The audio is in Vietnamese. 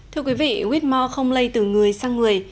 thưa quý vị whitmore không lây từ người sang người